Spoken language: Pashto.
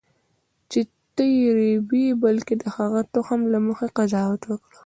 چې ته یې رېبې بلکې د هغه تخم له مخې قضاوت وکړه.